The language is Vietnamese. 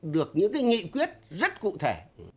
được những nghị quyết rất cụ thể